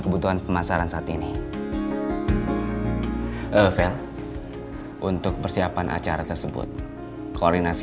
kita juga bakal kasih tau gimana cara pakai